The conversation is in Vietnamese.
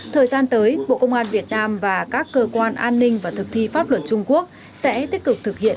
thời gian tới bộ công an việt nam và các cơ quan an ninh và thực thi pháp luật trung quốc sẽ tích cực thực hiện